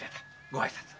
ご挨拶を。